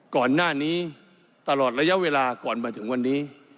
ก่อนหน้านี้ตลอดระยะเวลาก่อนมาถึงวันนี้